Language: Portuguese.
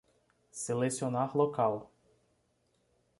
Selecionar local